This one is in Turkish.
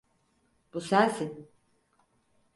Bu sensin.